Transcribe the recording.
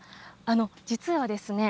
実はですね